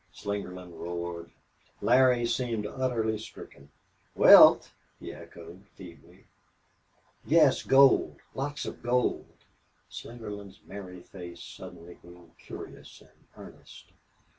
Slingerland roared. Larry seemed utterly stricken. "Wealth!" he echoed, feebly. "Yes. Gold! Lots of gold!" Slingerland's merry face suddenly grew curious and earnest.